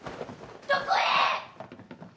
どこへ！？